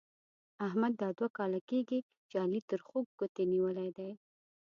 احمد دا دوه کاله کېږي چې علي تر خوږ ګوتې نيولې دی.